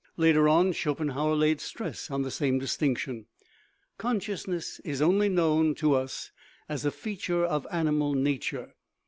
Later on Schopenhauer laid stress on the same distinction :" Consciousness is only known to us as a feature of animal nature.